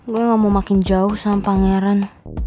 gue gak mau makin jauh sama pangeran